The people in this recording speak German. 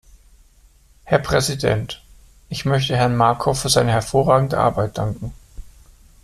Herr Präsident! Ich möchte Herrn Markov für seine hervorragende Arbeit danken.